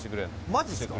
マジっすか。